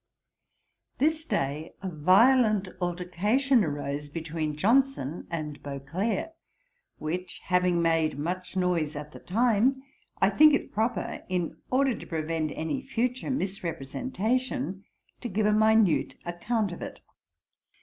This day a violent altercation arose between Johnson and Beauclerk, which having made much noise at the time, I think it proper, in order to prevent any future misrepresentation, to give a minute account of it.